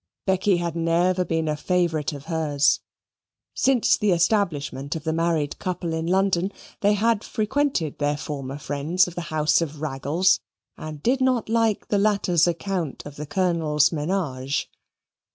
Becky had never been a favourite of hers. Since the establishment of the married couple in London they had frequented their former friends of the house of Raggles, and did not like the latter's account of the Colonel's menage.